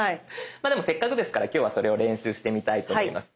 まあでもせっかくですから今日はそれを練習してみたいと思います。